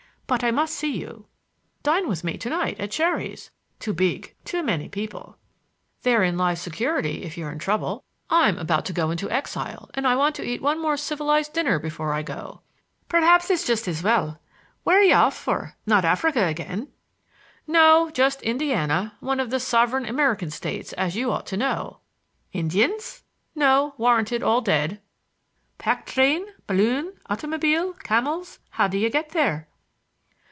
But I must see you." "Dine with me to night, at Sherry's—" "Too big, too many people—" "Therein lies security, if you're in trouble. I'm about to go into exile, and I want to eat one more civilized dinner before I go." "Perhaps it's just as well. Where are you off for,— not Africa again?" "No. Just Indiana,—one of the sovereign American states, as you ought to know." "Indians?" "No; warranted all dead." "Pack train—balloon—automobile—camels,—how do you get there?"